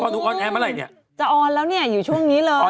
อเรนนี่เป้าหมายจะออนแล้วเนี่ยอยู่ช่วงนี้เลย